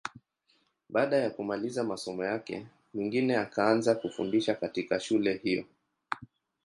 Baada ya kumaliza masomo yake, Mwingine akaanza kufundisha katika shule hiyo.